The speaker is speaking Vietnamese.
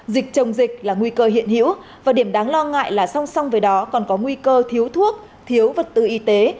dịch chồng dịch là nguy cơ hiện hiểu và điểm đáng lo ngại là song song với đó còn có nguy cơ thiếu thuốc thiếu vật tư y tế